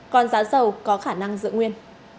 còn giá dầu có khả năng dựa nguyên